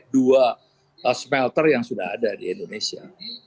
dua smelter yang sudah ada di indonesia